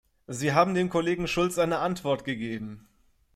Sie haben dem Kollegen Schulz eine Antwort gegeben.